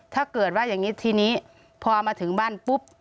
ถ้าเกิดว่าอย่างนี้ทีนี้พอมาถึงบ้านปุ๊บ